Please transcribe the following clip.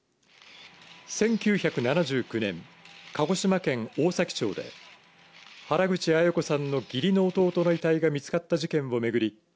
１９７９年鹿児島県大崎町で原口アヤ子さんの義理の弟の遺体が見つかった事件を巡り